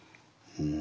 うん。